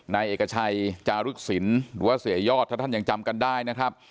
นายเอกชัยจารึกศิลป์หรือว่าเสียยอดถ้าท่านยังจำกันได้นะครับ